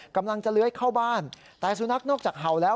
กำลังจะเลื้อยเข้าบ้านแต่สุนัขนอกจากเห่าแล้ว